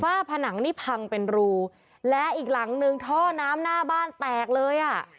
ผนังนี่พังเป็นรูและอีกหลังนึงท่อน้ำหน้าบ้านแตกเลยอ่ะ